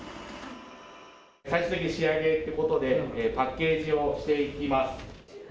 最終的な仕上げということでパッケージをしていきます。